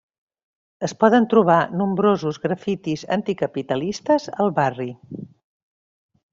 Es poden trobar nombrosos grafitis anticapitalistes al barri.